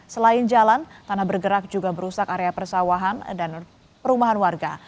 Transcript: selain jalan tanah bergerak juga merusak area persawahan dan perumahan warga